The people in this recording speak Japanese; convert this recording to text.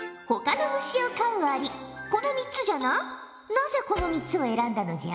なぜこの３つを選んだのじゃ？